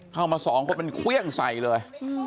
เข้ามาสองเขาเป็นเครื่องใสเลย